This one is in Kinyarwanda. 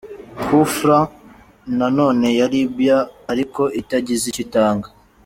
Coup franc na none ya Libya ariko itagize icyo itanga.